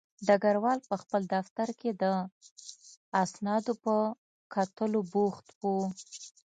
ډګروال په خپل دفتر کې د اسنادو په کتلو بوخت و